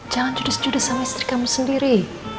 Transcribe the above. jodoh sama istri kamu sendiri